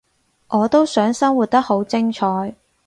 我都想生活得好精彩